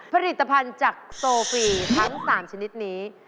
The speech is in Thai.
ผลิตภัณฑ์จากโซฟีทั้ง๓ชนิดนี้